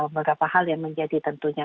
beberapa hal yang menjadi tentunya